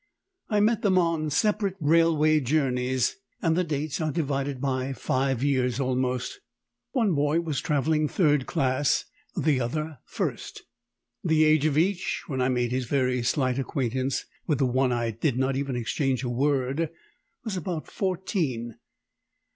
I met them on separate railway journeys, and the dates are divided by five years almost. One boy was travelling third class, the other first. The age of each when I made his very slight acquaintance (with the one I did not even exchange a word) was about fourteen.